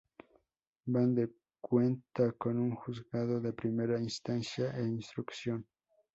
Bande cuenta con un Juzgado de Primera Instancia e Instrucción.